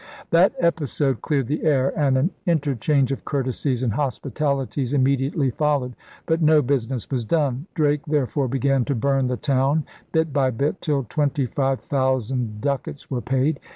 That episode cleared the air; and an inter change of courtesies and hospitalities immediately followed. But no business was done. Drake there fore began to burn the town bit by bit till twenty five thousand ducats were paid.